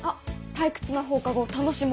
「退屈な放課後を楽しもう！」。